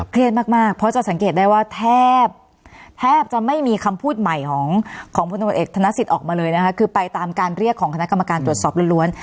มากเพราะจะสังเกตได้ว่าแทบแทบจะไม่มีคำพูดใหม่ของพลตำรวจเอกธนสิทธิ์ออกมาเลยนะคะคือไปตามการเรียกของคณะกรรมการตรวจสอบล้วน